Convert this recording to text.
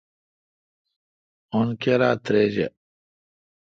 اُن کیرا تریجہ۔